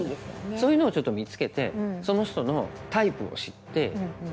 そういうのをちょっと見つけてその人のタイプを知って。